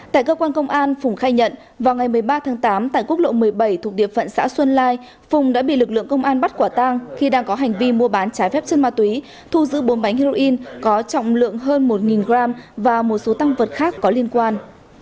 tại cơ quan công an phùng khai nhận vào ngày một mươi ba tháng tám tại quốc lộ một mươi bảy thuộc địa phận xã xuân lai phùng đã bị lực lượng công an bắt quả tang khi đang có hành vi mua bán trái phép chân ma túy thu giữ bốn bánh heroin có trọng lượng hơn một g và một số tăng vật khác có liên quan